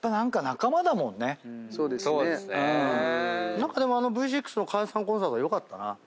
何かでもあのＶ６の解散コンサート良かったな。